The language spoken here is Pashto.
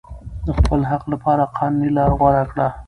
د خپل حق لپاره قانوني لاره غوره کړئ.